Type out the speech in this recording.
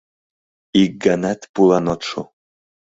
Ик ганат пулан от шу.